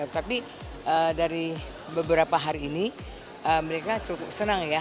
tapi dari beberapa hari ini mereka cukup senang ya